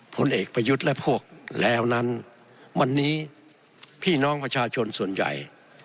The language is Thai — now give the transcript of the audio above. ผลเอกประยุทธ์และพวกแล้วนั้นวันนี้พี่น้องประชาชนส่วนใหญ่